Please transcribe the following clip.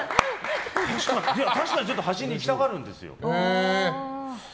確かに、ちょっと端に行きたがるんですよ。